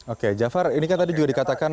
oke jafar ini kan tadi juga dikatakan